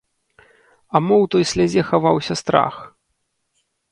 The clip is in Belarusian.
А мо ў той слязе хаваўся страх?